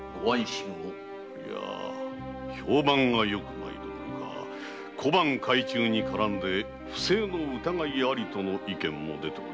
いや評判が良くないどころか小判改鋳に絡み不正の疑いありとの意見も出ております。